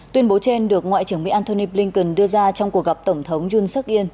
tuyên bố trên được ngoại trưởng mỹ antony blinken đưa ra trong cuộc gặp tổng thống yoon seok in